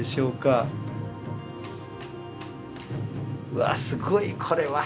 うわすごいこれは。